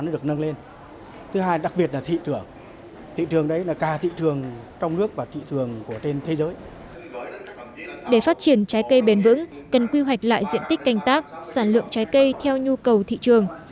để phát triển trái cây bền vững cần quy hoạch lại diện tích canh tác sản lượng trái cây theo nhu cầu thị trường